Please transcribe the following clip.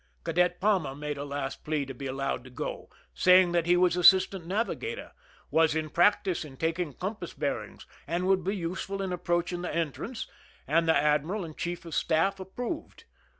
Cadet Palmer made a last \ plea to be allowed to go, saying that he was assis ^ tant navigator, was in practice in taking compass bearings, and would be useful in approaching the entrance, and the admiral and chief of staff ap ( proved.